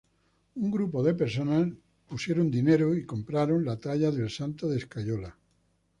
Un grupo de personas pusieron dinero y compraron la talla del santo de escayola.